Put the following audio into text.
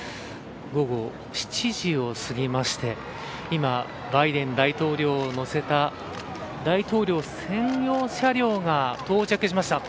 午後７時を過ぎまして今、バイデン大統領を乗せた大統領専用車両が到着しました。